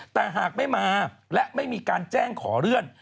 แต่หากไม่มาและไม่มีการแจ้งขอเลื่อน